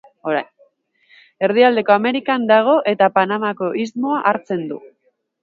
Erdialdeko Amerikan dago, eta Panamako istmoa hartzen du.